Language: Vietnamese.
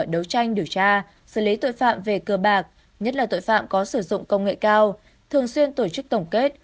đấu tranh điều tra xử lý tội phạm về cơ bạc nhất là tội phạm có sử dụng công nghệ cao thường xuyên tổ chức tổng kết